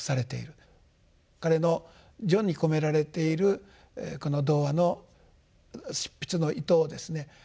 彼の序に込められている童話の執筆の意図をですね